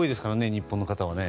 日本の方はね。